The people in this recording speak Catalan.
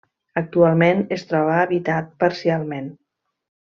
Actualment es troba habitat parcialment.